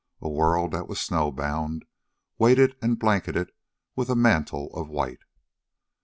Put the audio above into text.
A world that was snowbound, weighted and blanketed with a mantle of white.